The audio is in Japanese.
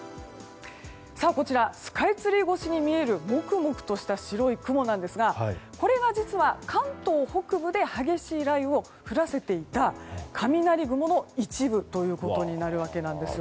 こちらスカイツリー越しに見えるもくもくとした白い雲なんですがこれが実は関東北部で激しい雷雨を降らせていた雷雲の一部となるわけです。